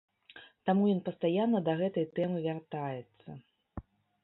Таму ён пастаянна да гэтай тэмы вяртаецца.